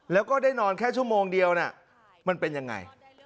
แล้วก็ได้นอนแค่ชั่วโมงเดียวมันเป็นยังไง